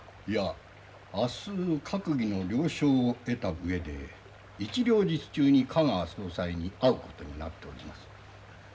いや明日閣議の了承を得たうえで一両日中に香川総裁に会う事になっております。